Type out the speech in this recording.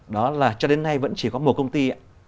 đó là cho đến nay vẫn chỉ có một công ty